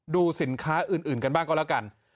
ดูสินค้าอื่นกันบ้างก็แล้วกัน